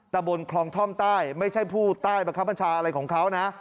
ตะบนคลองท่อมใต้ไม่ใช่ผู้ใต้บังคับบัญชาอะไรของเขานะ